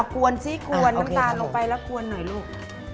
กวนซิกวนน้ำตาลลงไปแล้วกวนหน่อยลูก